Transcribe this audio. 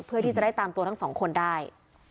เพื่อที่จะได้ตามตัวทั้งสองคนได้